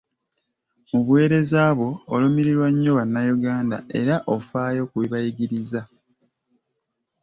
Mu buweereza bwo olumirirwa nnyo Bannayuganda era ofaayo ku bibanyigiriza.